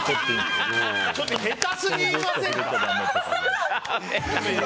ちょっと下手すぎません？